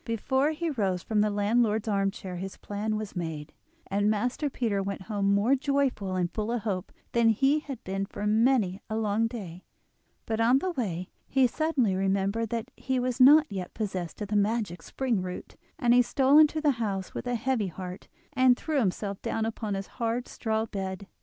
Before he rose from the landlord's arm chair his plan was made, and Master Peter went home more joyful and full of hope than he had been for many a long day; but on the way he suddenly remembered that he was not yet possessed of the magic spring root, and he stole into the house with a heavy heart, and threw himself down upon his hard straw bed.